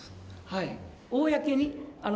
はい。